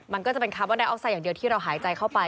มันก็จะเป็นคาร์บอนไดออกไซดอย่างเดียวที่เราหายใจเข้าไป